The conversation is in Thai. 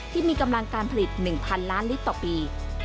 ที่มีกำลังการผลิต๑๐๐ล้านลิตรต่อปี